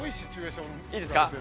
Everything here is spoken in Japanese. いいですか？